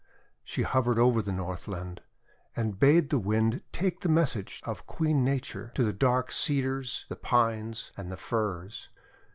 She hovered over the Northland, and bade the Wind take the message of Queen Nature to the dark Cedars, the Pines, and the Firs.